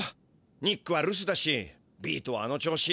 ニックはるすだしビートはあの調子。